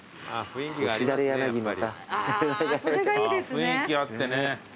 雰囲気あってね。